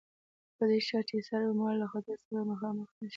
په دې شرط چې سر اومال له خطر سره مخامخ نه شي.